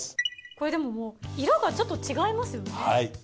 これでももう色がちょっと違いますよね。